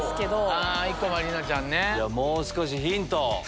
もう少しヒントを。